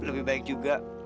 lebih baik juga